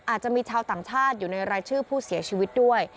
อาจจะมีชาวต่างชาติอยู่ในรายชื่อผู้เสียชีวิตด้วย